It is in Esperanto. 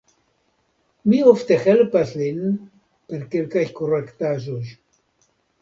Mi ofte helpas lin per kelkaj korektaĵoj.